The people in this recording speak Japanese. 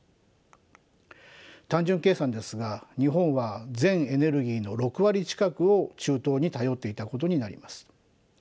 単純計算ですが日本は全エネルギーの６割近くを中東に頼っていたことになります。